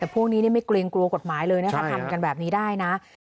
แต่พวกนี้ไม่เกรงกลัวกฎหมายเลยนะคะทำกันแบบนี้ได้นะ